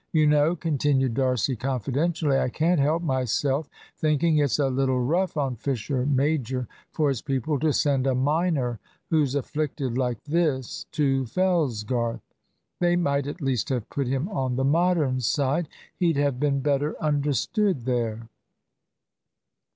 You know," continued D'Arcy confidentially, "I can't help myself thinking it's a little rough on Fisher major for his people to send a minor who's afflicted like this to Fellsgarth. They might at least have put him on the Modern side. He'd have been better understood there."